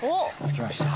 着きました。